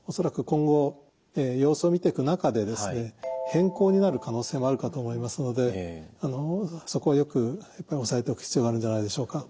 変更になる可能性もあるかと思いますのでそこはよく押さえておく必要があるんじゃないでしょうか。